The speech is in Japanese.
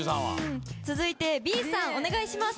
続いてＢさんお願いします。